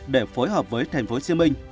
để phối hợp với tp hcm